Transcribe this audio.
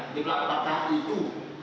di belakang itu